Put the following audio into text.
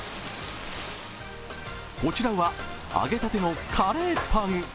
こちらは、揚げたてのカレーパン。